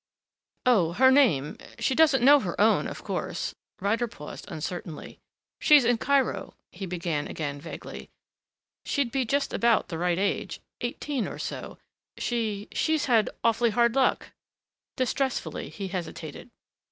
"Oh, her name she doesn't know her own, of course." Ryder paused uncertainly. "She's in Cairo," he began again vaguely. "She'd be just about the right age eighteen or so. She she's had awf'ly hard luck." Distressfully he hesitated.